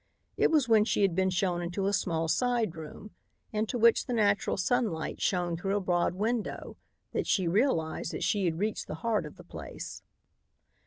It was when she had been shown into a small side room, into which the natural sunlight shone through a broad window, that she realized that she had reached the heart of the place.